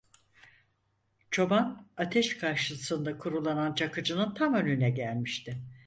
Çoban ateş karşısında kurulanan Çakıcı'nın tam önüne gelmişti.